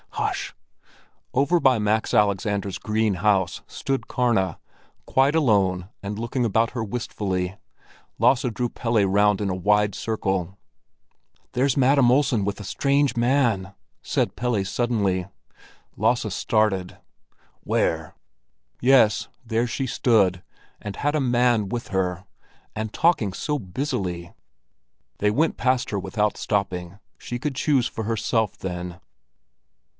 Hush!" Over by Max Alexander's "Green House" stood Karna, quite alone and looking about her wistfully. Lasse drew Pelle round in a wide circle. "There's Madam Olsen with a strange man!" said Pelle suddenly. Lasse started. "Where?" Yes, there she stood, and had a man with her! And talking so busily! They went past her without stopping; she could choose for herself, then.